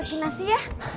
bang jokowi aja aku biarin